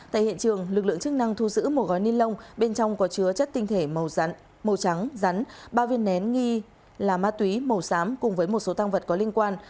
tại hiện trường lực lượng chức năng thu giữ một gói ni lông bên trong có chứa chất tinh thể màu trắng rắn ba viên nén nghi là ma túy màu xám cùng với một số tăng vật có liên quan